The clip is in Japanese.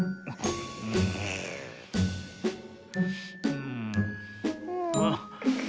うんあっ。